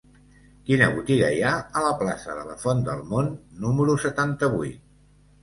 Quina botiga hi ha a la plaça de la Font del Mont número setanta-vuit?